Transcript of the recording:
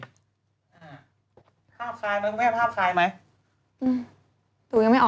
สูตรยังไม่ออกเลยอ่านให้จบ